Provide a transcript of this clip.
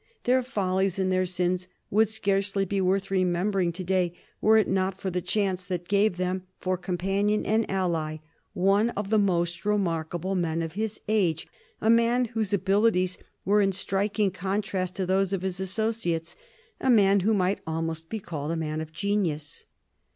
Their follies and their sins would scarcely be worth remembering to day were it not for the chance that gave them for companion and ally one of the most remarkable men of his age, a man whose abilities were in striking contrast to those of his associates, a man who might almost be called a man of genius.